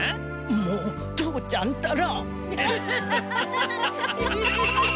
もう父ちゃんったら。